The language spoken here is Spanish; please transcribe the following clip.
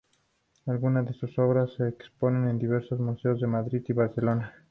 Algunas de sus obras se exponen en diversos museos de Madrid y Barcelona.